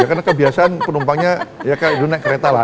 karena kebiasaan penumpangnya ya kayak itu naik kereta lah